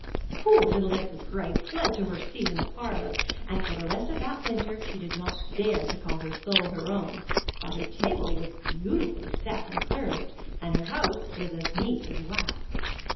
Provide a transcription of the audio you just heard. Poor little Mrs. Gray fled to her seat in the parlor, and for the rest of that winter she did not dare to call her soul her own; but her table was beautifully set and served, and her house was as neat as wax.